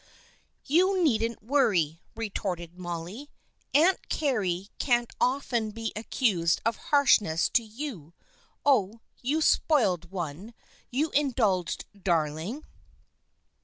" You needn't worry," retorted Mollie. " Aunt Carry can't often be accused of harshness to you, oh, you spoiled one ! You indulged darling